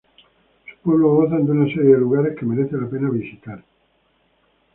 Sus pueblos gozan de una serie de lugares que merece la pena visitar.